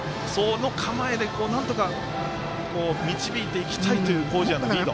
構えで、なんとか導いていきたいという麹家のリード。